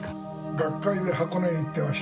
学会で箱根へ行ってました。